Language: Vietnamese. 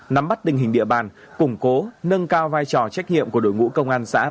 nắm bắt tình hình địa bàn củng cố nâng cao vai trò trách nhiệm của đội ngũ công an xã